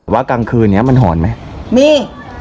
กลางคืนนี้มันหอนไหมมี